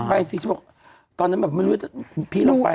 สิฉันบอกตอนนั้นแบบไม่รู้เราไป